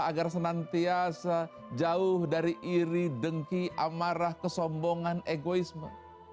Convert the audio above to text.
agar senantiasa jauh dari iri dengki amarah kesombongan egoisme